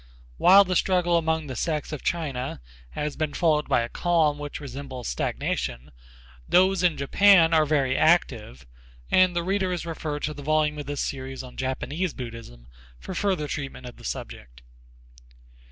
While the struggle among the sects of China has been followed by a calm which resembles stagnation, those in Japan are very active and the reader is referred to the volume of this series on Japanese Buddhism for further treatment of the subject.